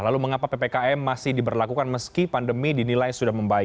lalu mengapa ppkm masih diberlakukan meski pandemi dinilai sudah membaik